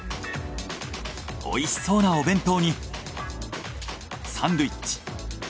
おいしそうなお弁当にサンドイッチ。